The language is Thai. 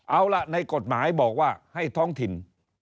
เอาล่ะในกฎหมายบอกว่าให้ท้องถิ่น